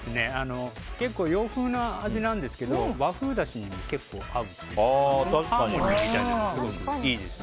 洋風な味なんですが和風だしに結構合うんです。